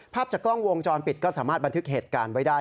ภาพจากกล้องวงจรปิดก็สามารถบันทึกเหตุการณ์ไว้ได้